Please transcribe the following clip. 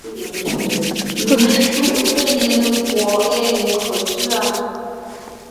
Mentúʼ péli lekùɔ ée nkÿo tʉ̂a.